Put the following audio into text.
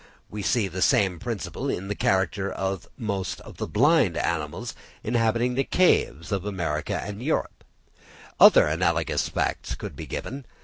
We see the same principle in the character of most of the blind animals inhabiting the caves of America and of Europe. Other analogous facts could be given.